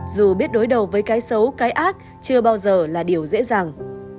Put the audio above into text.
dù biết đối đầu với cái xấu cái ác chưa bao giờ là điều dễ dàng